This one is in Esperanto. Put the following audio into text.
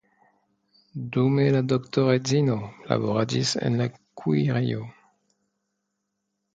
Dume la doktoredzino laboradis en la kuirejo.